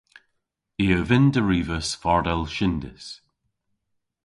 I a vynn derivas fardel shyndys.